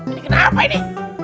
ini kenapa ini